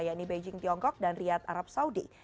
yaitu beijing tiongkok dan riyad arab saudi